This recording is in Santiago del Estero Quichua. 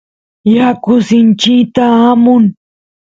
yaku sinchita amun